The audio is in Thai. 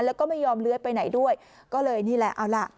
แล้วก็ไม่ยอมเลื้อยไปไหนด้วยก็เลยนี่แหละเอาล่ะ